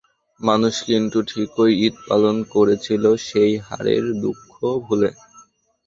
মানুষ কিন্তু ঠিকই ঈদ পালন করেছিল, সেই হারের দুঃখ ভুলে।